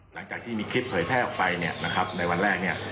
หลังจากที่มีคลิปเผยแพร่ออกไปในวันแรก